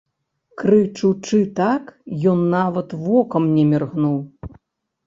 Крычучы так, ён нават вокам не міргнуў.